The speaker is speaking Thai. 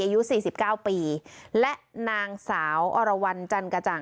อายุสี่สิบเก้าปีและนางสาวอรวรรณจันกระจ่าง